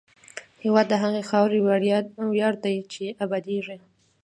هېواد د هغې خاورې ویاړ دی چې ابادېږي.